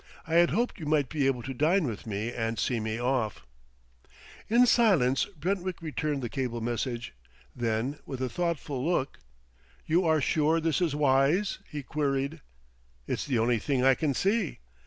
I had hoped you might be able to dine with me and see me off." In silence Brentwick returned the cable message. Then, with a thoughtful look, "You are sure this is wise?" he queried. "It's the only thing I can see."